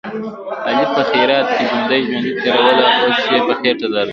علي په خیرات کې ژوندۍ ژوندۍ تېروله، اوس یې په خېټه درد دی.